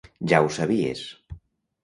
Ja ho sabies.